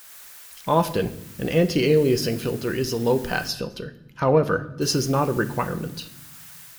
Often, an anti-aliasing filter is a low-pass filter; however, this is not a requirement.